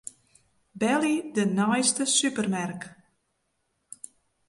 Belje de neiste supermerk.